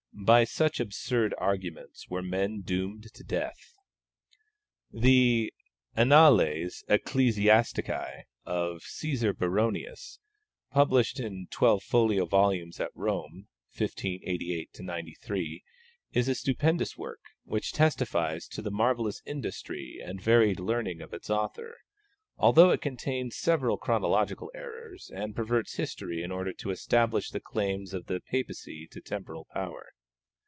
By such absurd arguments were men doomed to death. The Annales Ecclesiastici of Caesar Baronius, published in twelve folio volumes at Rome (1588 93), is a stupendous work, which testifies to the marvellous industry and varied learning of its author, although it contains several chronological errors, and perverts history in order to establish the claims of the Papacy to temporal power.